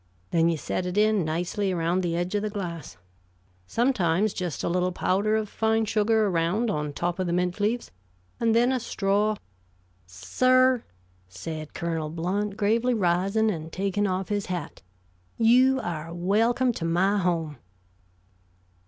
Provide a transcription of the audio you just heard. Then you set it in nicely around the edge of the glass. Sometimes just a little powder of fine sugar around on top of the mint leaves, and then a straw " "Sir," said Colonel Blount, gravely rising and taking off his hat, "you are welcome to my home!"